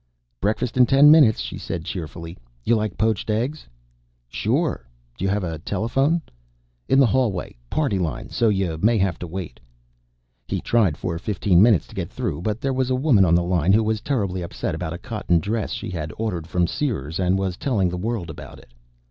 "Breakfast in ten minutes," she said cheerfully. "You like poached eggs?" "Sure. Do you have a telephone?" "In the hallway. Party line, so you may have to wait." He tried for fifteen minutes to get through, but there was a woman on the line who was terribly upset about a cotton dress she had ordered from Sears, and was telling the world about it.